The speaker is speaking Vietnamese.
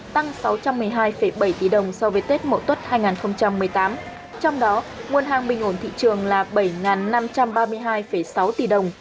tăng sáu trăm một mươi hai bảy tỷ đồng so với tết mộ tốt hai nghìn một mươi tám trong đó nguồn hàng bình ổn thị trường là bảy năm trăm ba mươi hai sáu tỷ đồng